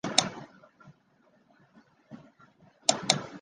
本站是过去宫内厅管辖的新宿御苑最近车站。